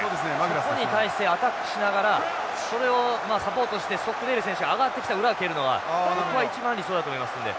そこに対してアタックしながらそれをサポートしてストックデール選手が上がってきた裏へ蹴るのが僕は一番理想だと思いますので。